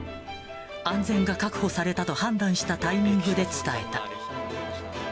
安全が確保されたと判断したタイミングで伝えた。